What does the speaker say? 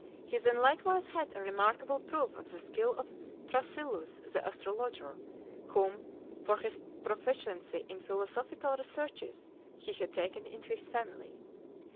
He then likewise had a remarkable proof of the skill of Thrasyllus, the astrologer, whom, for his proficiency in philosophical researches, he had taken into his family.